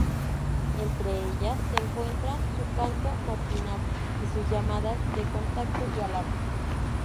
Entre ellas se encuentran su canto matinal, y sus llamadas de contacto y alarma.